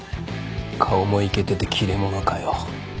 顔もイケてて切れ者かよ。